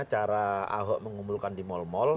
cara ahok mengumpulkan di mall mall